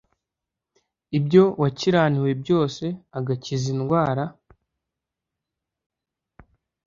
ibyo wakiraniwe byose agakiza indwara